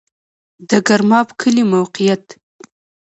د ګرماب کلی موقعیت